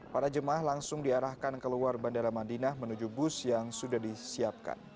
para jemaah langsung diarahkan keluar bandara madinah menuju bus yang sudah disiapkan